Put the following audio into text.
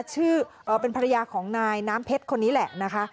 ชื่อเป็นภรรยาของนายน้ำเพชรคนนี้แหละนะคะ